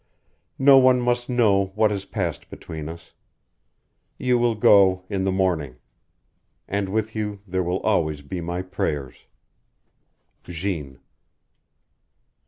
No one must know what has passed between us. You will go in the morning. And with you there will always be my prayers. JEANNE.